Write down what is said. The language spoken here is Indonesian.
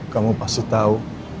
kamu pasti tahu